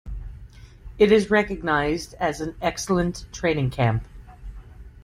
It is recognized as an excellent training camp.